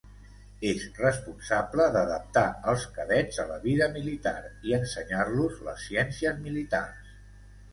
És responsable d'adaptar els cadets a la vida militar i ensenyar-los les ciències militars.